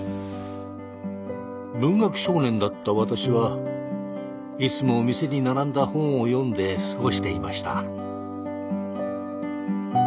文学少年だった私はいつも店に並んだ本を読んで過ごしていました。